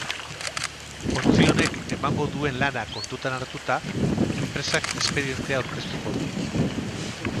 Ontzi honek emango duen lana kontutan hartuta, enpresak espedientea aurkeztuko du.